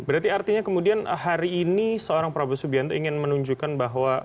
berarti artinya kemudian hari ini seorang prabowo subianto ingin menunjukkan bahwa